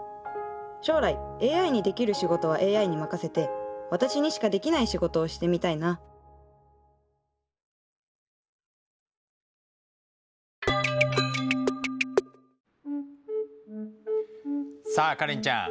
将来ＡＩにできる仕事はＡＩに任せて私にしかできない仕事をしてみたいなさあカレンちゃん。